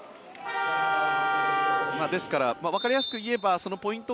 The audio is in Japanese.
ですからわかりやすく言えばそのポイント